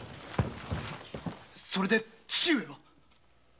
それで父上は？